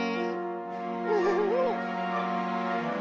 「フフフフ」。